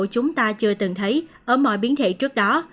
chúng ta chưa từng thấy ở mọi biến thể trước đó